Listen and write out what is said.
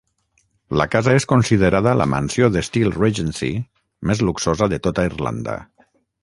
La casa és considerada la mansió d'estil Regency més luxosa de tota Irlanda.